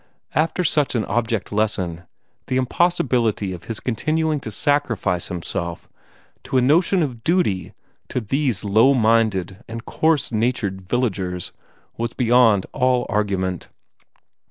After such an object lesson, the impossibility of his continuing to sacrifice himself to a notion of duty to these low minded and coarse natured villagers was beyond all argument.